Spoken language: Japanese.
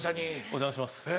お邪魔します。